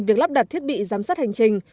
việc lắp đặt thiết bị giám sát hành trình